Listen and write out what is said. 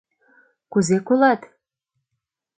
Кузе колат?